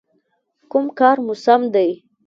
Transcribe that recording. _کوم کار مو سم دی؟